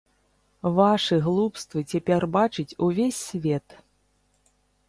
Вашы глупствы цяпер бачыць увесь свет.